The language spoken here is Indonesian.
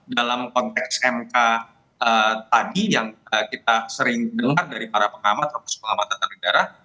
dalam konteks mk tadi yang kita sering dengar dari para pengamat atau sebuah mata terhadap daerah